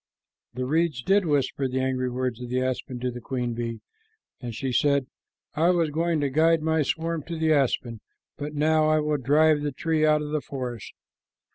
The reeds did whisper the angry words of the aspen to the queen bee, and she said, "I was going to guide my swarm to the aspen, but now I will drive the tree out of the forest.